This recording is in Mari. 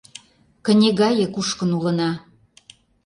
Кыне гае кушкын улына.